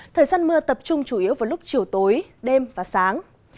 thời gian mưa tập trung chủ yếu vào lúc chiều tối đêm và sáng